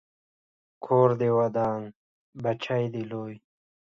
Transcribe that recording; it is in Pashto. کور دې ودان، بچی دې لوی